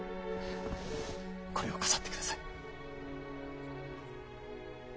これを飾って下さい。